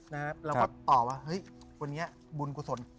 เราก็ตอบว่าเฮ้ยวันนี้บุญกุศล